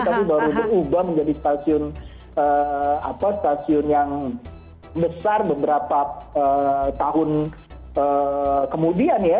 tapi baru berubah menjadi stasiun yang besar beberapa tahun kemudian ya